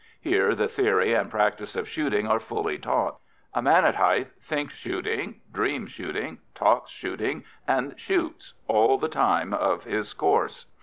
Here the theory and practice of shooting are fully taught; a man at Hythe thinks shooting, dreams shooting, talks shooting, and shoots, all the time of his course.